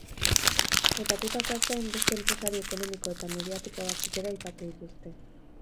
Aipatutakoez gain, beste enpresari ekonomiko eta mediatiko batzuk ere aipatu dituzte.